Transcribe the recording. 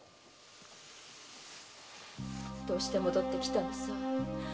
どうして戻って来たのさ！